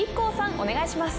お願いします。